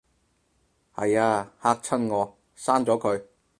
係吖，嚇親我，刪咗佢